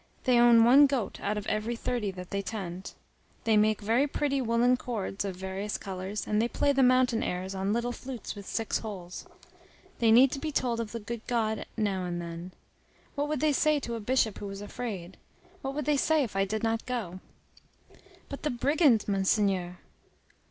They own one goat out of every thirty that they tend. They make very pretty woollen cords of various colors, and they play the mountain airs on little flutes with six holes. They need to be told of the good God now and then. What would they say to a bishop who was afraid? What would they say if I did not go?" "But the brigands, Monseigneur?"